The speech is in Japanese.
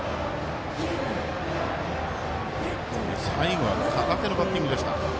最後は片手のバッティングでした。